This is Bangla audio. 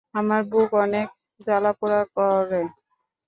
আমার বুক অনেক জ্বালা পুড়া করে।